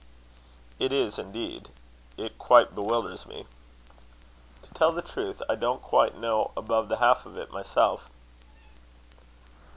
"It is, indeed; it quite bewilders me." "To tell the truth, I don't quite know above the half of it myself."